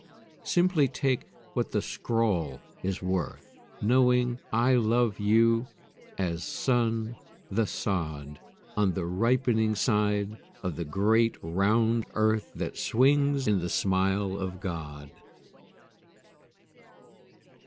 Simply take what the scrawl is worth Knowing I love you as sun the sod On the ripening side of the great round earth That swings in the smile of God.